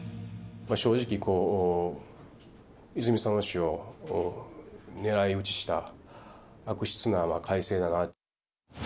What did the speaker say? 正直、泉佐野市を狙いうちした悪質な改正だなと。